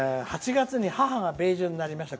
「８月に母が米寿になりました」。